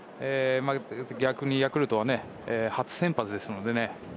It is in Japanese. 逆にヤクルトは初先発ですので。